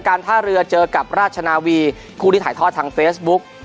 ท่าเรือเจอกับราชนาวีคู่ที่ถ่ายทอดทางเฟซบุ๊ก